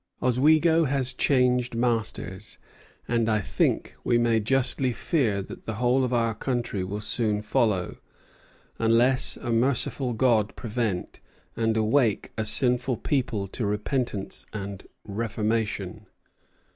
"Oswego has changed masters, and I think we may justly fear that the whole of our country will soon follow, unless a merciful God prevent, and awake a sinful people to repentance and reformation."